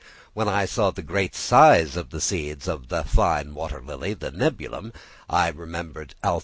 When I saw the great size of the seeds of that fine water lily, the Nelumbium, and remembered Alph.